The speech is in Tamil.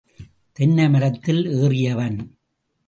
தென்னை மரத்தில் ஏறியவன்.